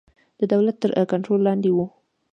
د دولت تر کنټرول لاندې وو.